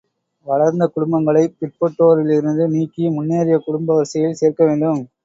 வளர்ந்த குடும்பங்களைப் பிற்பட்டோரிலிருந்து நீக்கி முன்னேறிய குடும்ப வரிசையில் சேர்க்க வேண்டும்.